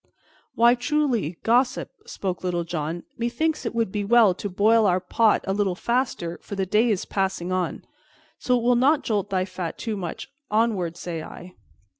"Why truly, gossip," spoke up Little John, "methinks it would be well to boil our pot a little faster, for the day is passing on. So it will not jolt thy fat too much, onward, say I."